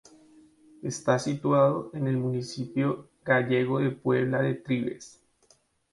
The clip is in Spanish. Está situado en el municipio gallego de Puebla de Trives.